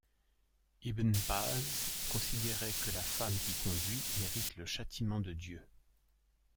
Ibn Bâz considérait que la femme qui conduit mérite le châtiment de Dieu.